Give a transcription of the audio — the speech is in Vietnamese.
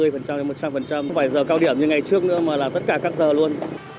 không phải giờ cao điểm như ngày trước nữa mà là tất cả các giờ luôn